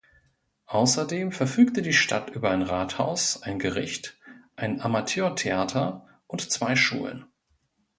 Außerdem verfügte die Stadt über ein Rathaus, ein Gericht, ein Amateurtheater und zwei Schulen.